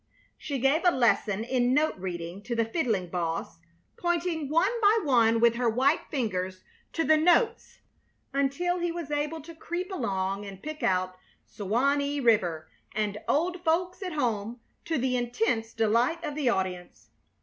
She gave a lesson in note reading to the Fiddling Boss, pointing one by one with her white fingers to the notes until he was able to creep along and pick out "Suwanee River" and "Old Folks at Home" to the intense delight of the audience.